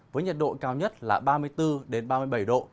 với nhiệt độ cao nhất là ba mươi bốn ba mươi bảy độ